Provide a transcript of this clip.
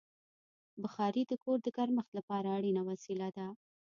بخاري د کور د ګرمښت لپاره اړینه وسیله ده.